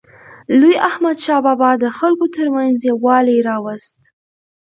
لوی احمدشاه بابا د خلکو ترمنځ یووالی راوست.